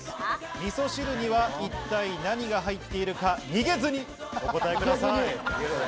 味噌汁には一体何が入っているか、逃げずにお答えください。